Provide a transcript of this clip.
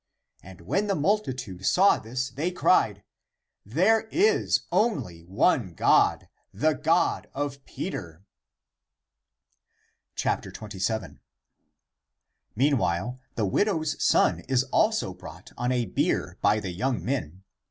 And when the multitude saw this, they cried, " There is only one God, the God of Peter." 27. Meanwhile the widow's son is also brought on a bier by the young men.